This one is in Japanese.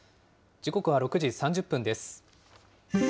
時刻は６時３０分です。